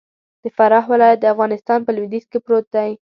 د فراه ولايت د افغانستان په لویدیځ کی پروت دې.